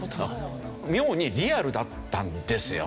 妙にリアルだったんですよね。